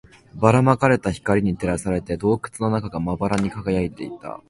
ばら撒かれた光に照らされて、洞窟の中がまばらに輝いていた